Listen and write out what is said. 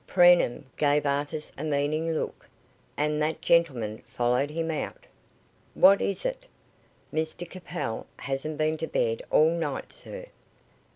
Preenham gave Artis a meaning look, and that gentleman followed him out. "What is it?" "Mr Capel hasn't been to bed all night, sir."